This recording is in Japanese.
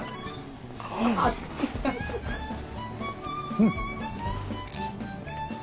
うん。